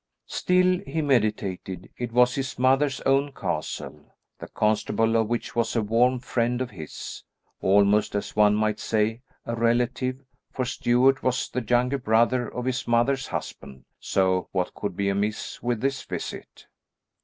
Still, he meditated, it was his mother's own castle, the constable of which was a warm friend of his almost, as one might say, a relative, for Stuart was the younger brother of his mother's husband, so what could be amiss with this visit?